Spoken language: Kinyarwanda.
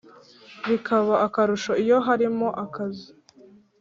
Bikaba akarusho iyo harimo akazi